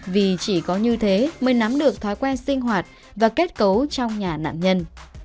vì chỉ có như thế mới nắm được thói quen sinh hoạt và kết cấu trong nhà nạn nhân